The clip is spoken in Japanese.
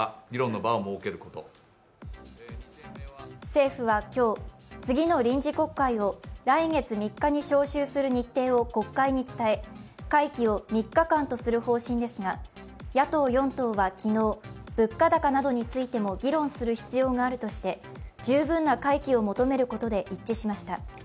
政府は今日、次の臨時国会を来月３日に召集する日程を国会に伝え会期を３日間とする方針ですが、野党４党は昨日、物価高などについても議論する必要があるとして、十分な会期を求めることで一致しました。